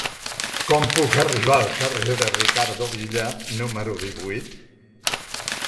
Com puc arribar al carrer de Ricardo Villa número divuit?